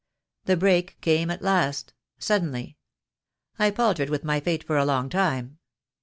The break came at last — suddenly. I paltered with my fate for a long time.